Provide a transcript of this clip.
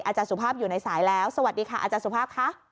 สุภาพอยู่ในสายแล้วสวัสดีค่ะอาจารย์สุภาพค่ะ